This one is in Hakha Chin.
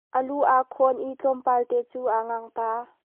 A lu aa khawn i tlawmpalte cu a ngang ta.